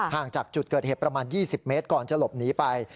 จากจุดเกิดเหตุประมาณ๒๐เมตรก่อนจะหลบหนีไป